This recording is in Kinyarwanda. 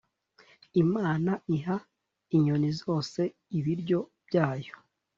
imana iha inyoni zose ibiryo byayo,